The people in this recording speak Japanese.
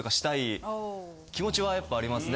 気持ちはやっぱありますね。